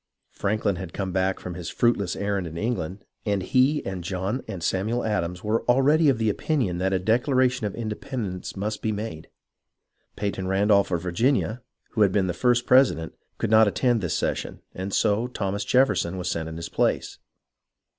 Franklin had come back from his fruitless errand in England, and he and John and Samuel Adams were already of the opinion that a declaration of independence must be made. Peyton Randolph of Virginia, who had been the first president, could not attend this session, and so Thomas Jefferson was 44 HISTORY OF THE AMERICAN REVOLUTION sent in his place.